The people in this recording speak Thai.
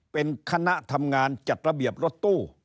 เป็นคณะทำงานจัดระเบียบรถตู้